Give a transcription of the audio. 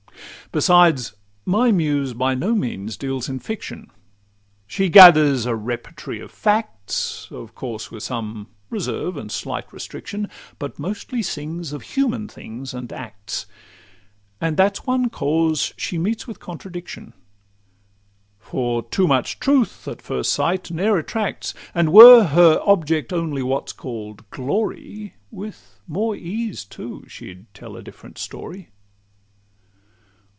Besides, my Muse by no means deals in fiction: She gathers a repertory of facts, Of course with some reserve and slight restriction, But mostly sings of human things and acts— And that 's one cause she meets with contradiction; For too much truth, at first sight, ne'er attracts; And were her object only what 's call'd glory, With more ease too she'd tell a different story.